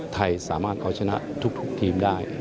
ไทยสามารถเอาชนะทุกทีมได้